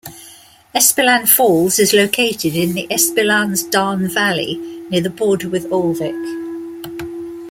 Espeland Falls is located in the Espelandsdalen valley near the border with Ulvik.